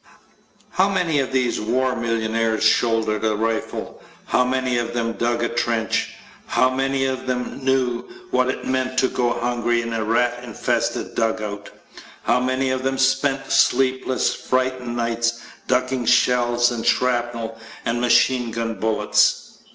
How many of these war millionaires shouldered a rifle? How many of them dug a trench? How many of them knew what it meant to go hungry in a rat infested dug out? How many of them spent sleepless, frightened nights, ducking shells and shrapnel and machine gun bullets?